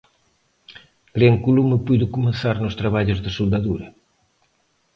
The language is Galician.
Cren que o lume puido comezar nos traballos de soldadura.